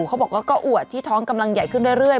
เขาบอกว่าก็อวดที่ท้องกำลังใหญ่ขึ้นเรื่อย